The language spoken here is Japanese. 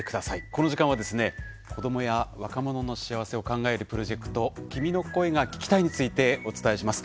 この時間は子どもや若者の幸せを考えるプロジェクト「君の声が聴きたい」についてお伝えします。